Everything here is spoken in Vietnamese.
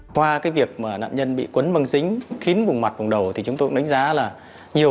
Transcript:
qua cái việc nạn nhân bị cuốn bằng dính khiến vùng mặt vùng đầu thì chúng tôi đánh giá là nhiều